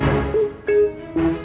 bukan mau jual tanah